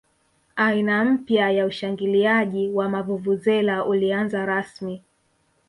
aina mpya ya ushangiliaji wa mavuvuzela ulianza rasmi